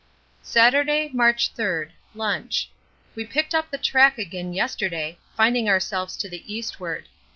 Saturday, March 3. Lunch. We picked up the track again yesterday, finding ourselves to the eastward.